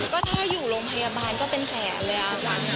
ก็ถ้าอยู่โรงพยาบาลก็เป็นแสนเลยค่ะ